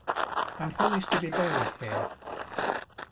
" And who is to be buried here